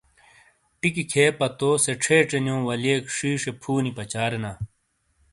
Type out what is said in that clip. ٹِیکی کھِئیے پتو سے چھیچےنیو وَلئییک شِشے فُو نی پَچارینا۔